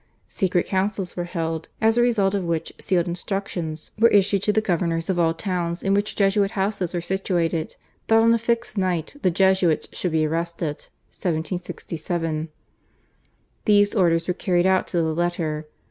Secret councils were held, as a result of which sealed instructions were issued to the governors of all towns in which Jesuit houses were situated that on a fixed night the Jesuits should be arrested (1767). These orders were carried out to the letter.